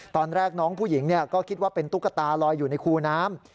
น้องผู้หญิงก็คิดว่าเป็นตุ๊กตาลอยอยู่ในคูน้ำ